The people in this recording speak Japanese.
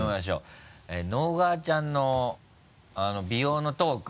直川ちゃんの美容のトーク。